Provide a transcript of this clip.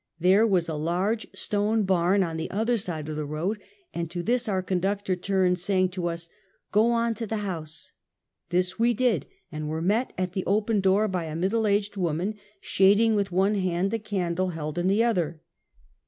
There was a large stone barn on the other side of the road, and to this our conductor turned, saying tons: "Go on to the house." This we did, and were met at the open door by a middle aged woman, shading with one hand the candle held in the other.